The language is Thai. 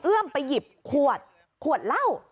เอื้อมไปหยิบขวดขวดเหล้า